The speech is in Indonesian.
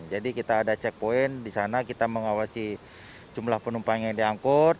jadi kita ada checkpoint disana kita mengawasi jumlah penumpang yang diangkut